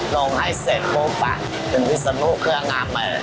ลงไฟเสร็จปุ๊บอะถึงวิสันกรณ์เครืองามึง